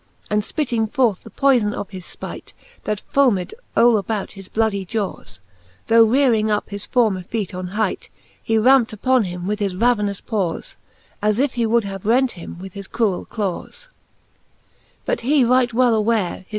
And fpitting forth the poyfon of his fpight. That fomed all about his bloody jawes. Tho rearing up his former feete on hight, He rampt upon him with his ravenous pawcF, As if he would have rent him with his cruell clawes.